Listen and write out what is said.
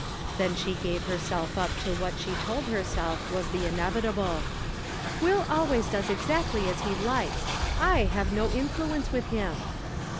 Then she gave herself up to what she told herself was the inevitable. " Will always does exactly as he likes ;/ have no in fluence with him."